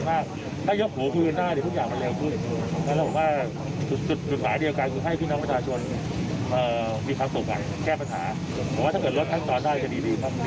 ผมว่าถ้าเกิดลดทั้งตอนได้ก็ดี